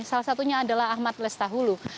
salah satunya adalah ahmad lestahulu